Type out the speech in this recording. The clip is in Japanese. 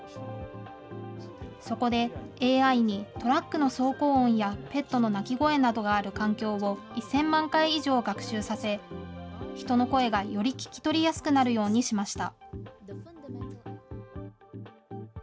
そこで、ＡＩにトラックの走行音やペットの鳴き声などがある環境を１０００万回以上学習させ、人の声がより聞き取りやすくなるようにしました。